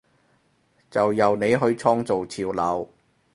就由你去創造潮流！